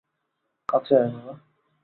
কাছে আয়, বাবা!